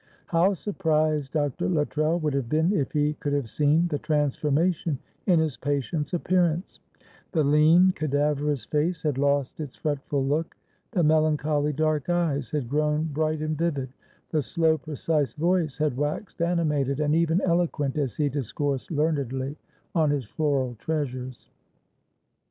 How surprised Dr. Luttrell would have been if he could have seen the transformation in his patient's appearance the lean, cadaverous face had lost its fretful look, the melancholy dark eyes had grown bright and vivid, the slow precise voice had waxed animated and even eloquent as he discoursed learnedly on his floral treasures.